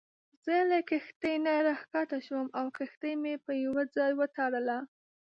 زه له کښتۍ نه راکښته شوم او کښتۍ مې په یوه ځای وتړله.